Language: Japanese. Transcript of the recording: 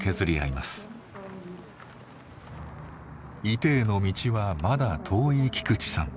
射手への道はまだ遠い菊池さん。